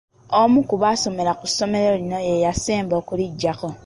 Omu ku baasomerako ku ssomero lino ye yanseba okulijjako.